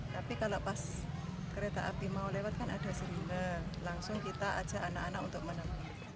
tapi kalau pas kereta api mau lewat kan ada sirine langsung kita ajak anak anak untuk menemui